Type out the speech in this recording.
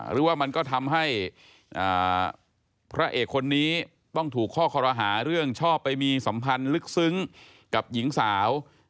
หรือว่ามันก็ทำให้พระเอกคนนี้ต้องถูกข้อคอรหาเรื่องชอบไปมีสัมพันธ์ลึกซึ้งกับหญิงสาว